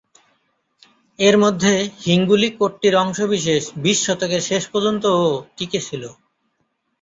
এর মধ্যে হিঙ্গুলী কোটটির অংশবিশেষ বিশ শতকের শেষ পর্যন্তও টিকে ছিল।